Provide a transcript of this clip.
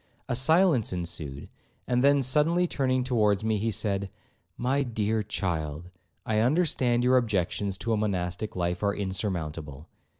A silence ensued, and then suddenly turning towards me, he said, 'My dear child, I understand your objections to a monastic life are insurmountable.